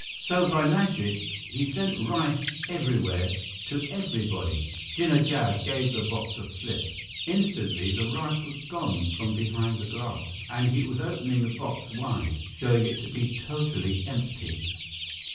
"So by magic, he sent rice everywhere, to everybody!" Jinnah Jad gave the box a flip. Instantly, the rice was gone from behind the glass and he was opening the box wide, showing it to be totally empty.